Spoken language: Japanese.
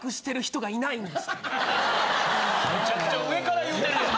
めちゃくちゃ上から言うてるやん。